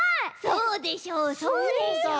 そうでしょうそうでしょう！